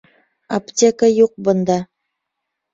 Аптека юҡ бында!